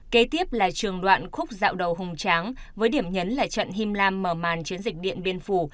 kế tiếp là trường đoạn khúc dạo đầu hùng tráng với điểm nhấn là trận him lam mở màn chiến dịch điện biên phủ